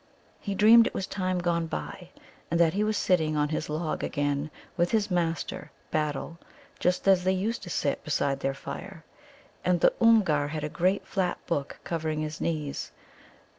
He dreamed it was time gone by, and that he was sitting on his log again with his master, Battle, just as they used to sit, beside their fire. And the Oomgar had a great flat book covering his knees.